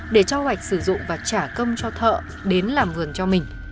để cho hoạch sử dụng và trả công cho thợ đến làm vườn cho mình